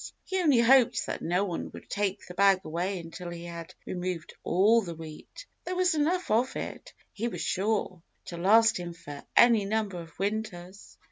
He only hoped that no one would take the bag away until he had removed all the wheat. There was enough of it he was sure to last him for any number of winters.